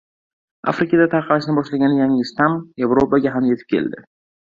Afrikada tarqalishni boshlagan yangi shtamm Yevropaga ham yetib keldi.